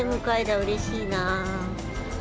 うれしいなあ。